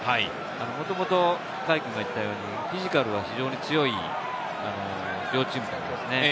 もともと凱くんが言ったように、フィジカルが強い上に強い両チームですね。